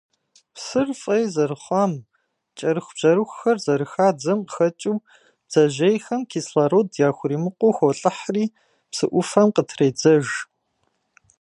Псыр фӀей зэрыхъуам, кӀэрыхубжьэрыхухэр зэрыхадзэм къыхэкӀыу, бдзэжьейхэм кислород яхуримыкъуу холӀыхьри, псы Ӏуфэм къытредзэж.